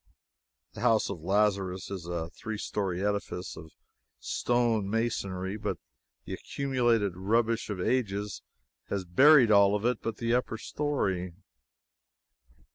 The house of Lazarus is a three story edifice, of stone masonry, but the accumulated rubbish of ages has buried all of it but the upper story.